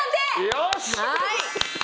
よし！